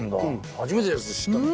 初めてです知ったの。